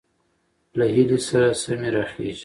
له هيلې سره سمې راخېژي،